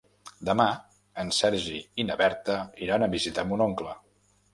Demà en Sergi i na Berta iran a visitar mon oncle.